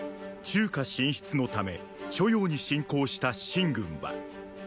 中華進出のため著雍に進攻した秦軍は。